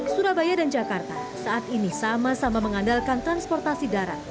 surabaya dan jakarta saat ini sama sama mengandalkan transportasi darat